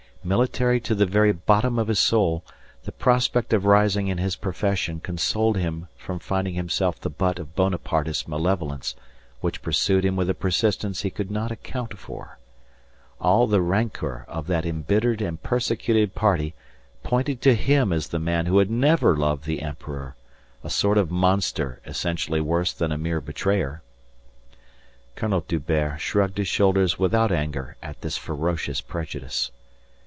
Military to the very bottom of his soul, the prospect of rising in his profession consoled him from finding himself the butt of Bonapartist malevolence which pursued him with a persistence he could not account for. All the rancour of that embittered and persecuted party pointed to him as the man who had never loved the emperor a sort of monster essentially worse than a mere betrayer. General D'Hubert shrugged his shoulders without anger at this ferocious prejudice.